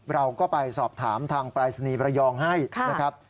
เราก็ไปสอบถามทางปรายศนีย์ระยองให้นะครับ